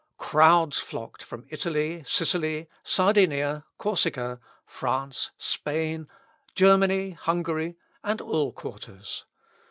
Crowds flocked from Italy, Sicily, Sardinia, Corsica, France, Spain, Germany, Hungary, and all quarters.